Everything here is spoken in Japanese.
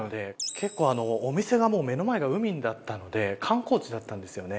結構お店がもう目の前が海だったので観光地だったんですよね。